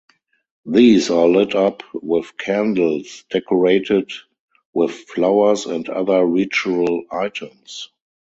These are lit up with candles, decorated with flowers and other ritual items.